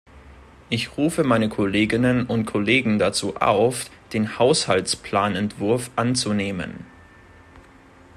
Ich rufe meine Kolleginnen und Kollegen dazu auf, den Haushaltsplanentwurf anzunehmen.